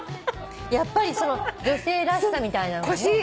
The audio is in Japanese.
やっぱりその女性らしさみたいな入るのね。